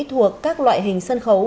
thuộc các loại hình sân khấu